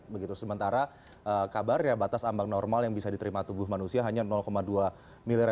begitu sementara kabarnya batas ambang normal yang bisa diterima tubuh manusia hanya dua miliar